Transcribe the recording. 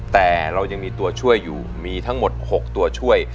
แต่เรายังมีตัวช่วยอยู่มีทั้งหมด๖ตัวช่วย